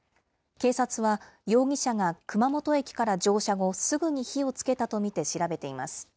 警察は、容疑者が熊本駅から乗車後、すぐに火をつけたと見て調べています。